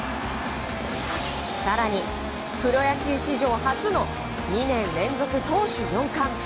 更に、プロ野球史上初の２年連続投手４冠。